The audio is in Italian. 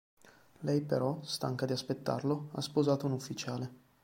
Lei però, stanca di aspettarlo, ha sposato un ufficiale.